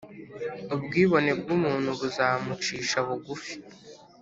ubwibone bw’umuntu buzamucisha bugufi,